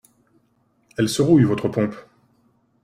Elle se rouille, votre pompe !